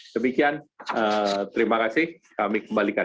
terima kasih kami kembalikan